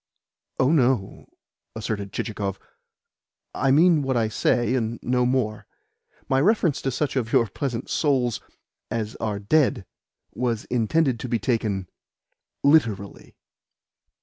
"Oh, no," asserted Chichikov. "I mean what I say and no more. My reference to such of your pleasant souls as are dead was intended to be taken literally."